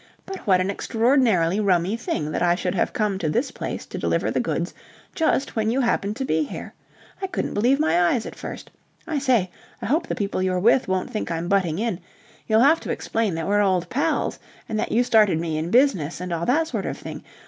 But what an extraordinarily rummy thing that I should have come to this place to deliver the goods just when you happened to be here. I couldn't believe my eyes at first. I say, I hope the people you're with won't think I'm butting in. You'll have to explain that we're old pals and that you started me in business and all that sort of thing.